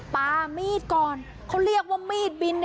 ปามีดก่อนเขาเรียกว่ามีดบิน